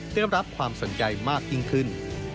ได้รับความสนใจมากยิ่งขึ้น